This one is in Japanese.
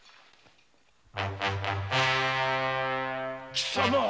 貴様